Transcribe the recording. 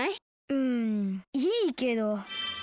うんいいけど。